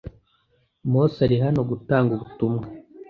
Mose ari hano gutanga ubutumwa.